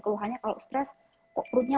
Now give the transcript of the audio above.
keluhannya kalau stres kok perutnya